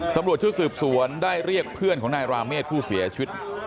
ตำรวจชุดสืบสวนได้เรียกเพื่อนของนายราเมฆผู้เสียชีวิต